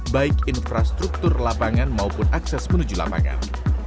baik infrastruktur lapangan maupun akses menuju lapangan